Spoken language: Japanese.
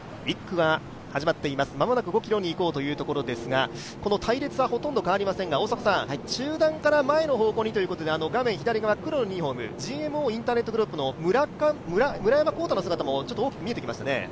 １区が始まっています、間もなく５ｋｍにいこうというところですが、この隊列はほとんど変わりませんが、中盤から前の方向にということで画面左側黒のユニフォーム、ＧＭＯインターネットグループの村山絋太の姿も大きく見えてきましたね。